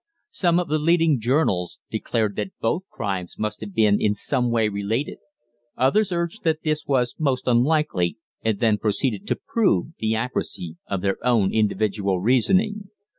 Some of the leading journals declared that both crimes must have been in some way related; others urged that this was most unlikely, and then proceeded to "prove" the accuracy of their own individual reasoning.